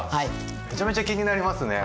めちゃめちゃ気になりますね。